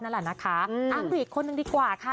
อ้องล่ีกคนหนึ่งดีกว่าค่ะ